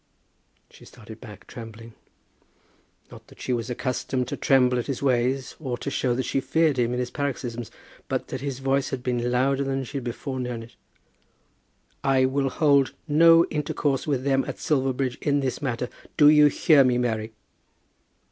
She started back, trembling. Not that she was accustomed to tremble at his ways, or to show that she feared him in his paroxysms, but that his voice had been louder than she had before known it. "I will hold no intercourse with them at Silverbridge in this matter. Do you hear me, Mary?"